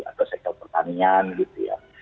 atau sektor pertanian gitu ya